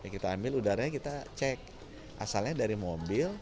kita ambil udaranya kita cek asalnya dari mobil